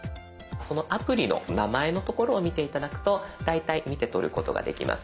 そのアプリの名前のところを見て頂くと大体見てとることができます。